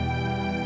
gak ada apa apa